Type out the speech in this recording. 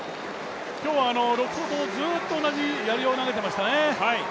今日は６回、ずっと同じやりを投げていましたね。